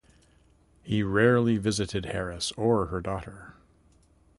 He rarely visited Harris or her daughter.